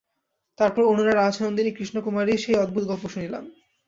তারপর অনূঢ়া রাজনন্দিনী কৃষ্ণকুমারীর সেই অদ্ভুত গল্প শুনিলাম।